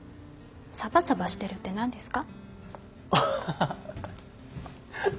サバサバしてるって何ですか？